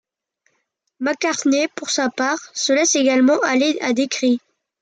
McCartney, pour sa part, se laisse également aller à des cris.